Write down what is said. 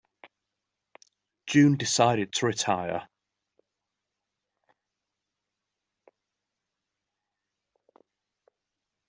June decided to retire.